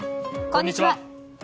こんにちは。